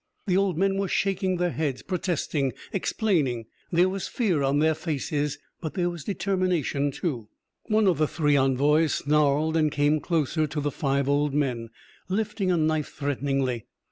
The old men were shaking their heads, protesting, explaining. There was fear on their faces, but there was determination, too. One of the three envoys snarled and came closer to the five old men, lifting a knife threateningly.